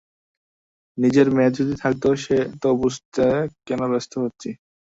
নিজের মেয়ে যদি থাকত তো বুঝতে কেন ব্যস্ত হচ্ছি।